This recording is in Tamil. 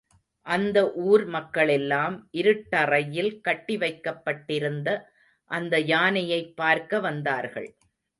அந்த ஊர் மக்களெல்லாம் இருட்டறையில் கட்டி வைக்கப் பட்டிருந்த அந்த யானையைப் பார்க்க வந்தார்கள்.